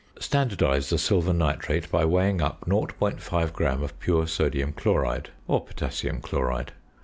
Standardise the silver nitrate by weighing up 0.5 gram of pure sodium chloride (or potassium chloride).